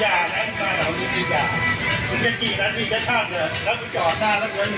อย่านะผมจะกินตะสีกัดเลย